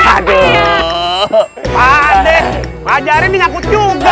pak d ngajarin nyangkut juga